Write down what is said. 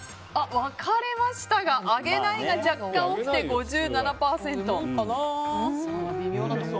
分かれましたがあげないが若干、多くて５７％。